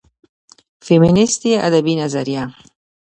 فيمينستى ادبى نظريه